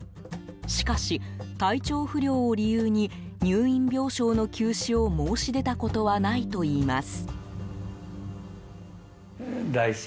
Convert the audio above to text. しかし、体調不良を理由に入院病床の休止を申し出たことはないといいます。